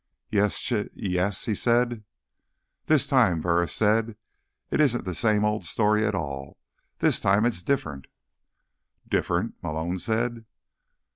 "Yes, Ch—Yes?" he said. "This time," Burris said, "it isn't the same old story at all. This time it's different." "Different?" Malone said.